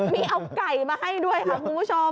มีเอาไก่มาให้ด้วยค่ะคุณผู้ชม